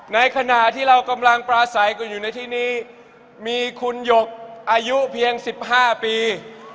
ในขณะที่เรากำลังปลาใสก็อยู่ในที่นี้มีคุณหยกอายุเพียง๑๕ปี